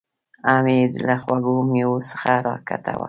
هم یې له خوږو مېوو څخه ګټه واخلي.